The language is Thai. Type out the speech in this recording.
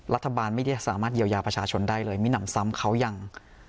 รัฐบาลไม่ได้สามารถเยียวยาประชาชนได้เลยไม่หนำซ้ำเขายัง